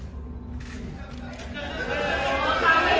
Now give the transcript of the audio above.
ขอบคุณภาพให้กับคุณผู้ฝ่าย